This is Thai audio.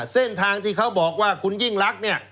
เส้นทางที่เขาบอกว่าคุณยิ่งรักเนี่ย